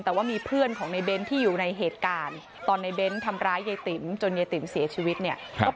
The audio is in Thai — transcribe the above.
แต่ว่ามีเพื่อนของในเบ้นท์ที่อยู่ในเหตุการณ์ตอนในเบ้นท์ทำร้ายเยี่ยบจนเยี่ยบทีมเสียชีวิตเนี่ยก็